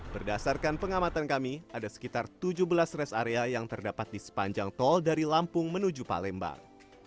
berdasarkan pengamatan kami ada sekitar tujuh belas rest area yang terdapat di sepanjang tol dari lampung menuju palembang